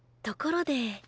ところで。